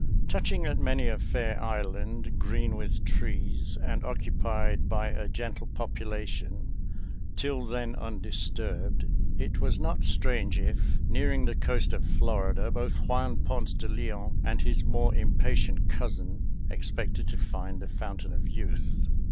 Touching at many a fair island green with trees, and occupied by a gentle population till then undisturbed, it was not strange if, nearing the coast of Florida, both Juan Ponce de Leon and his more impatient cousin expected to find the Fountain of Youth.